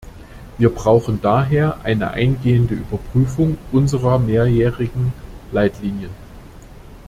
Wir brauchen daher eine eingehende Überprüfung unserer mehrjährigen Leitlinien.